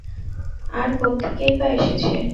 আর কোত্থেকেই বা এসেছে?